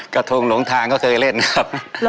กระทงหลงทางก็เคยเล่นครับ